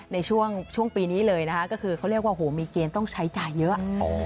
ในช่วงปีนี้เลยนะคะก็คือเขาเรียกว่ามีเกณฑ์ต้องใช้จ่ายเยอะ